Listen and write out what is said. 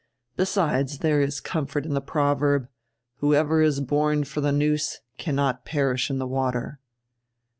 Besides, there is comfort in the proverb, 'Who ever is born for die noose cannot perish in die water.'"